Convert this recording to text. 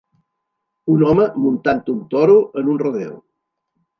Un home muntant un toro en un rodeo.